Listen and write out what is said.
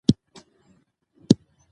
نالوستي خلک په اسانۍ سره غولول کېږي.